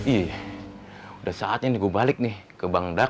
ih udah saatnya nih gue balik nih ke bangdak